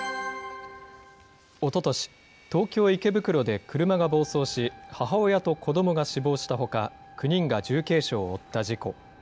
おととし、東京・池袋で車が暴走し、母親と子どもが死亡したほか、９人が重軽傷を負った事故。